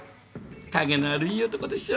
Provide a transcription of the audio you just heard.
陰のあるいい男でしょ？